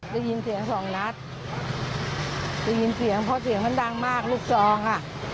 ได้ยินเสียงสองนัดได้ยินเสียงเพราะเสียงมันดังมากลูกซองอ่ะ